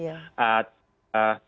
tapi kalau kita lihat